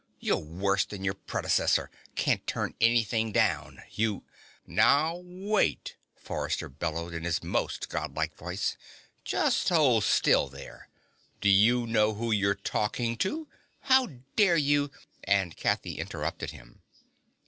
You're worse than your predecessor! Can't turn anything down! You " "Now wait!" Forrester bellowed in his most Godlike voice. "Just hold still there! Do you know who you're talking to? How dare you " And Kathy interrupted him.